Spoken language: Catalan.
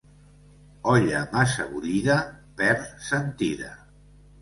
Olla massa bullida perd sentida.